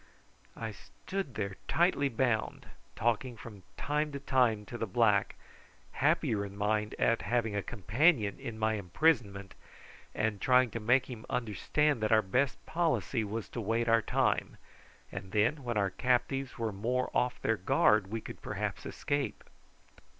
I stood there tightly bound, talking from time to time to the black, happier in mind at having a companion in my imprisonment, and trying to make him understand that our best policy was to wait our time; and then when our captors were more off their guard we could perhaps escape.